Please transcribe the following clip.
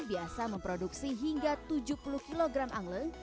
biasa memproduksi hingga tujuh puluh kg angle